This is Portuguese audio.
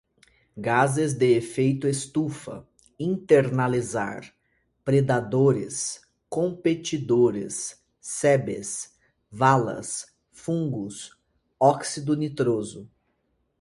gases de efeito estufa, internalizar, predadores, competidores, sebes, valas, fungos, óxido nitroso